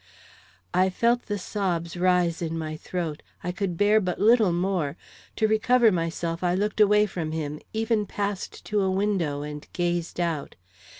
I felt the sobs rise in my throat. I could bear but little more. To recover myself, I looked away from him, even passed to a window and gazed out.